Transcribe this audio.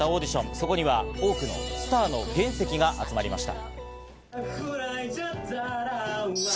そこには多くのスターの原石が集まりました。